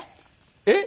えっ？